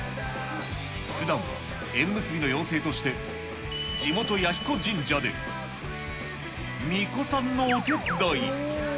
ふだんは縁結びの妖精として、地元、彌彦神社でみこさんのお手伝い。